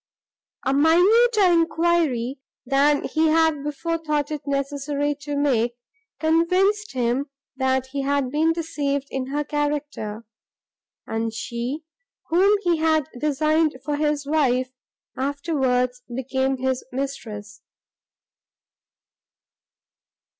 A minuter enquiry than he had before thought it necessary to make, convinced him, that he had been deceived in her character, and she, whom he had designed for his wife, afterwards became his mistress.